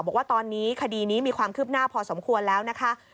บอกว่าตอนนี้คดีนี้มีความคืบหน้าพอสมควรแล้วนะคะ